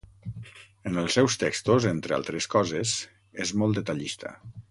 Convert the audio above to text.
En els seus textos, entre altres coses, és molt detallista.